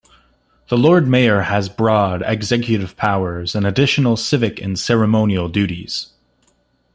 The Lord Mayor has broad executive powers and additional civic and ceremonial duties.